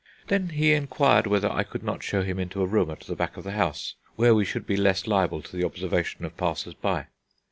Then he inquired whether I could not show him into a room at the back of the house, where we should be less liable to the observation of passers by.